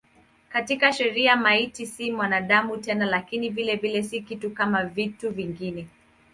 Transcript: Katika sheria maiti si mwanadamu tena lakini vilevile si kitu kama vitu vingine.